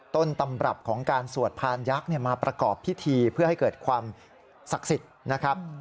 ต้นตำรับของการสวดพานยักษ์มาประกอบพิธีเพื่อให้เกิดความศักดิ์สิทธิ์นะครับ